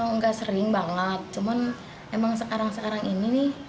nggak sering banget cuman emang sekarang sekarang ini nih